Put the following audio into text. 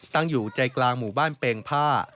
ตั้งอยู่ใจกลางหมู่บ้านเปงผ้า